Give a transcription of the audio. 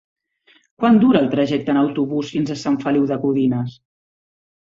Quant dura el trajecte en autobús fins a Sant Feliu de Codines?